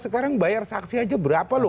sekarang bayar saksi aja berapa loh